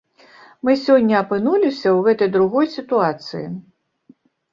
Мы сёння апынуліся ў гэтай другой сітуацыі.